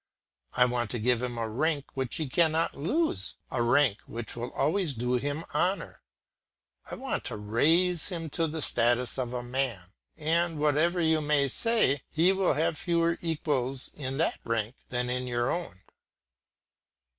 I want to give him a rank which he cannot lose, a rank which will always do him honour; I want to raise him to the status of a man, and, whatever you may say, he will have fewer equals in that rank than in your own.